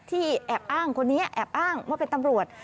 แอบอ้างคนนี้แอบอ้างว่าเป็นตำรวจ